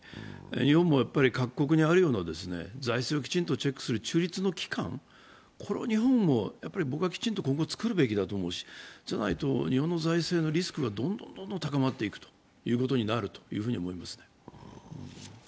日本は各国にあるような財政をきちんとチェックする中立の機関を日本もきちんと作るべきだと思うしじゃないと日本の財政のリスクがどんどん高まることになると思います。